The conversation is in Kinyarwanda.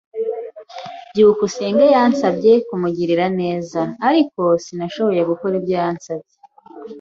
byukusenge yansabye kumugirira neza. Ariko, sinashoboye gukora ibyo yansabye.